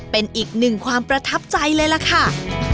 เป็นอีกหนึ่งความประทับใจเลยล่ะค่ะ